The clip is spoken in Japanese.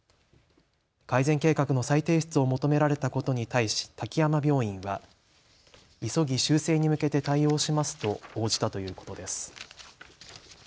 改善計画の再提出を求められたことに対し滝山病院は急ぎ修正に向けて対応しますと応じたということです。